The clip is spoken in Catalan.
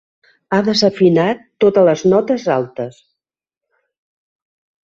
Ha desafinat totes les notes altes.